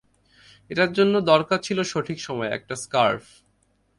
এটার জন্য দরকার ছিল সঠিক সময়, একটা স্কার্ফ।